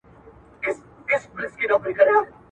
زه اوس د تکړښت لپاره ځم!؟